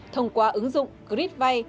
thông qua ứng dụng gridvay